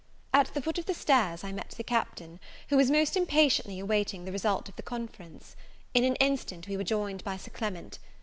At the foot of the stairs I met the Captain, who was most impatiently waiting the result of the conference. In an instant we were joined by Sir Clement.